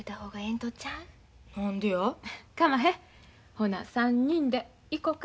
ほな３人で行こか。